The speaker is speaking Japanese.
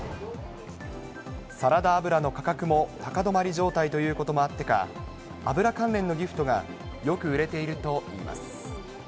サラダ油の価格も高止まり状態ということもあってか、油関連のギフトがよく売れているといいます。